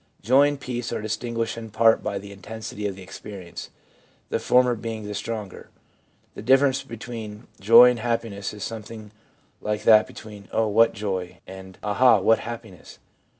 Joy and peace are distinguished in part by the intensity of the experience, the former being the stronger. The difference between joy and happiness is something like that between ' Oh, what joy!' and 'Aha, what happiness!'